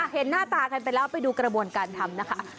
เห็นหน้าตากันไปแล้วไปดูกระบวนการทำนะคะ